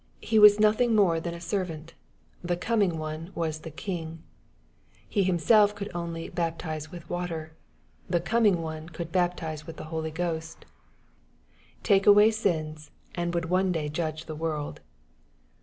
He was nothing more than a servant : the Coming One was the King He himself could only " baptize with water :" the Com ing One could "baptize with^ the Holy Ghost," take away sins, and would one day judge the world.